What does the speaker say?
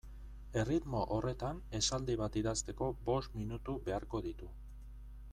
Erritmo horretan esaldi bat idazteko bost minutu beharko ditu.